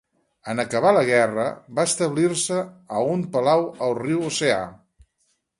En acabar la guerra, va establir-se a un palau al riu Oceà.